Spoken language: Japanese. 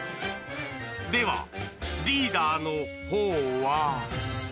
ではリーダーのほうは。